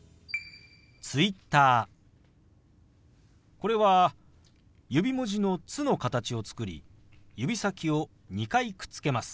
これは指文字の「つ」の形を作り指先を２回くっつけます。